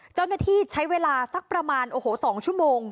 เจ้าหน้าที่ใช้เวลาสักประมาณโอ้โห๒ชั่วโมง